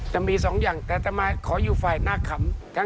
จะมี๒อย่างแต่ต้องมาขอยุฟ้ายน่าขำ